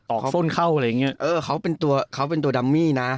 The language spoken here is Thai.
ออกส้นเข้าอะไรอย่างเงี้ยเออเขาเป็นตัวดัมมี่นะ